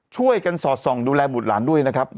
ช่วยกันสอดส่องดูแลบุตรหลานด้วยนะครับ